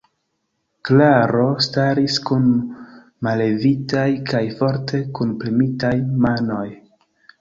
Klaro staris kun mallevitaj kaj forte kunpremitaj manoj.